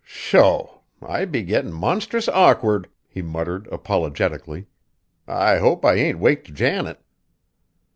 "Sho! I be gettin' monstrous awkward!" he muttered apologetically; "I hope I ain't waked Janet!"